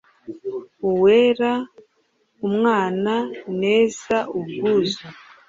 uweera, umwaana, neeza, ubwuuzu